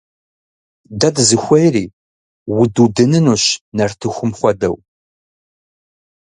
Дэ дызыхуейри? Удудынынущ! Нартыхум хуэдэу.